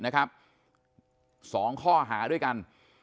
๒ข้อหาด้วยกัน